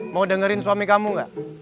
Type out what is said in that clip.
mau dengerin suami kamu gak